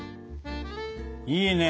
いいね。